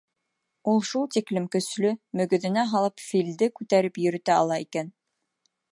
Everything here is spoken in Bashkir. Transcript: Ул шул тиклем көслө, мөгөҙөнә һалып филде күтәреп йөрөтә ала икән.